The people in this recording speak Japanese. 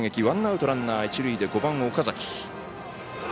ワンアウト、ランナー、一塁で５番、岡崎。